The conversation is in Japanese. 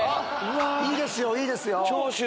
いいですよいいですよ。